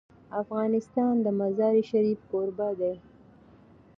افغانستان د مزارشریف کوربه دی.